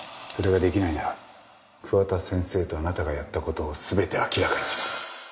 それができないなら桑田先生とあなたがやった事を全て明らかにします。